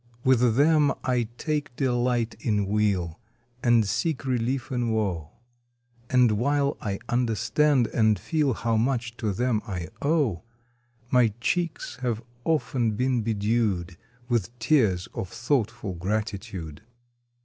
1 1 10 GEORGIAN VERSE With them I take delight in weal, And seek relief in woe; And while I understand and feel How much to them I owe, My cheeks have often been bedew'd With tears of thoughtful gratitude.